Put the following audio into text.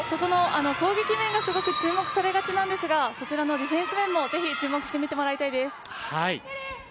攻撃面がすごく注目されがちなんですがそちらのディフェンス面もぜひ注目してみてもらいたいです。